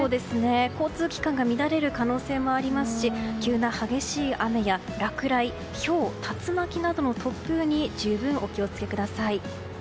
交通機関が乱れる可能性もありますし急な激しい雨や落雷ひょう、竜巻などの突風に十分お気を付けください。